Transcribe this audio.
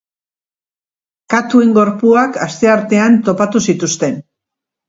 Katuen gorpuak asteartean topatu zituzten.